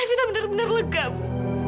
kita benar benar lega bu